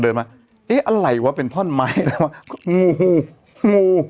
พอเดินมาเอ๊ะอะไรวะเป็นพ่อนไม้งูงูงู